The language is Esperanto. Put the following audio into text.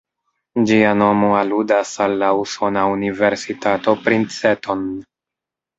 Ĝia nomo aludas al la usona Universitato Princeton.